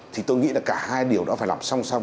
thì tôi nghĩ là cả hai điều đó phải làm song song